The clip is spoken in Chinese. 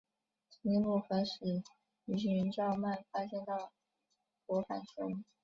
长颈部可使鱼群较慢发现到薄板龙。